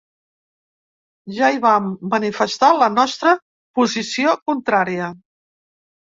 Ja hi vam manifestar la nostra posició contrària.